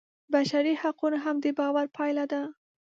بشري حقونه هم د باور پایله ده.